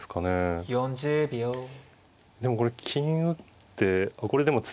でもこれ金打ってこれでも詰みか。